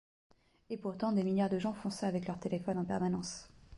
Et pourtant des milliards de gens font ça avec leur téléphone en permanence.